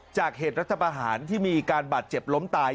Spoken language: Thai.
จากเหตุรัฐบาหารที่มีอีกการบาดเจ็บล้มตาย